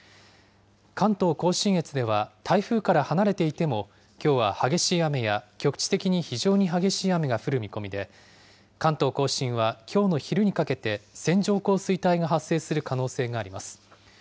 関東甲信越では、台風から離れていても、きょうは激しい雨や局地的に非常に激しい雨が降る見込みで、関東甲信はきょうの昼にかけて、線状降水帯が発生する可能性があります。